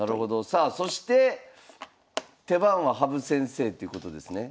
さあそして手番は羽生先生っていうことですね。